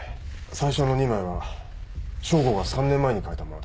最初の２枚は匠吾が３年前に描いたものだ。